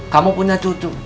kamu punya cucu